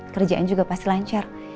kerjaan juga pasti lancar